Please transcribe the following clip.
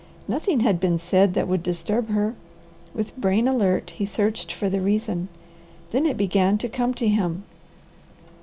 Nothing had been said that would disturb her. With brain alert he searched for the reason. Then it began to come to him.